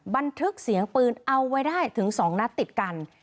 บันทึกเสียงปืนเอาไว้ได้ถึง๒นัดติดกัน